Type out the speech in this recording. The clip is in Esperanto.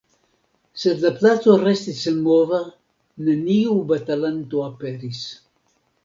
Sed la placo restis senmova, neniu batalanto aperis.